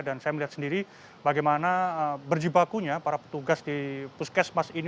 dan saya melihat sendiri bagaimana berjibakunya para petugas di puskesmas ini